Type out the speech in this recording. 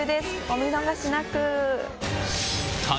お見逃しなく！